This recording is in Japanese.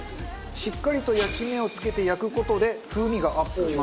しっかりと焼き目をつけて焼く事で風味がアップします。